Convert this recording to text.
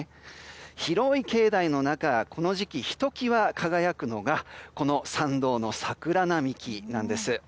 広い境内の中この時期、ひと際輝くのがこの参道の桜並木なんです。